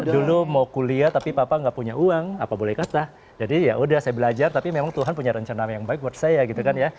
dulu mau kuliah tapi papa nggak punya uang apa boleh kata jadi yaudah saya belajar tapi memang tuhan punya rencana yang baik buat saya gitu kan ya